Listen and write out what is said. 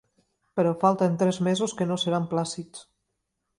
Però falten tres mesos que no seran plàcids.